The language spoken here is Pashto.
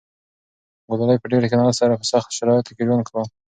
ګلالۍ په ډېر قناعت سره په سختو شرایطو کې ژوند کاوه.